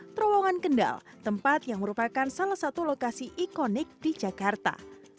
terowongan kendal tempat yang merupakan salah satu lokasi ikonik di jakarta